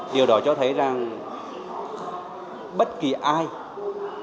điều đó cho thấy rằng bất kỳ ai trong